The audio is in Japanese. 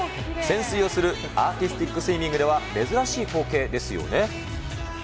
潜水をするアーティスティックスイミングでは珍しい光景ですよね。